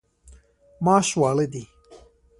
ماش واړه دي.